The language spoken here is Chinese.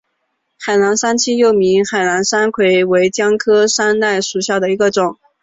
海南三七又名海南山柰为姜科山柰属下的一个种。